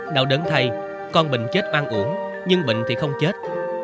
đạo đớn thầy con bình chết mang ủng nhưng bình thì không chết